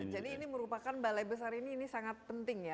jadi ini merupakan balai besar ini sangat penting ya